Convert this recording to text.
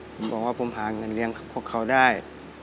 บอกว่าผมหาเงินเลี้ยงพวกเขาได้